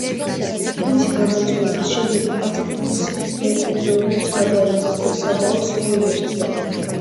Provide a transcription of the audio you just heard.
მისი გარდაცვალების შემდეგ ასტი მის მემკვიდრეებს გადაეცათ და სავოიას მიუერთდა.